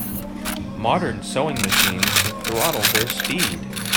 Modern sewing machines can throttle their speed.